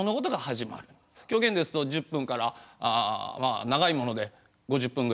狂言ですと１０分からまあ長いもので５０分ぐらい。